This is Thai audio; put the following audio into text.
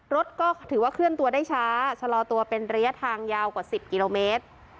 รถก็ถือว่าเคลื่อนตัวได้ช้าชะลอตัวเป็นระยะทางยาวกว่า๑๐กิโลเมตร